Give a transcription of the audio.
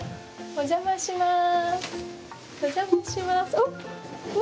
お邪魔します。